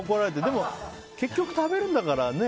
でも結局食べるんだからね。